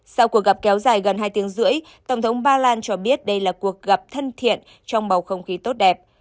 sau cuộc gặp kéo dài gần hai tiếng rưỡi tổng thống ba lan cho biết đây là cuộc gặp thân thiện trong bầu không khí tốt đẹp